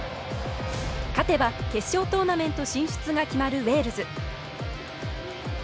勝てば決勝トーナメント進出が決まるウェールズ。